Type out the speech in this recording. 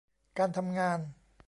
การทำงาน